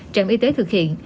trạm y tế thực hiện